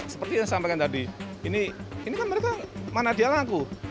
seperti yang saya sampaikan tadi ini kan mereka mana dia laku